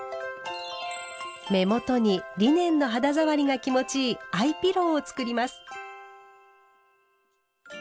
目元にリネンの肌触りが気持ちいい「アイピロー」を作ります。